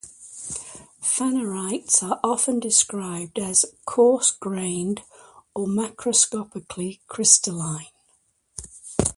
Phanerites are often described as "coarse grained" or "macroscopically crystalline".